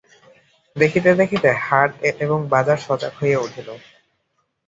দেখিতে দেখিতে হাট এবং বাজার সজাগ হইয়া উঠিল।